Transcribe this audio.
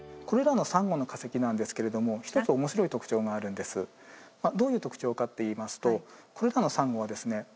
これらのサンゴの化石なんですけれども１つ面白い特徴があるんですどういう特徴かっていいますとこれらのサンゴはですね